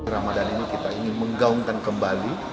ramadhan ini kita ingin menggaungkan kembali